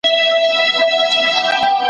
ځان او کورنۍ به په فساد کي اخته کړي